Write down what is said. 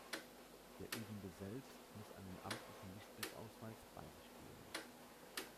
Der Übende selbst muss einen amtlichen Lichtbildausweis bei sich führen.